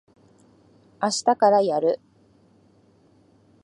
あしたからやる。